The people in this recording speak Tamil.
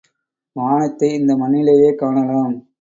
வானத்தை இந்த மண்ணிலேயே காணலாம்.